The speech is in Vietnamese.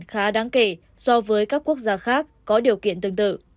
khá đáng kể so với các quốc gia khác có điều kiện tương tự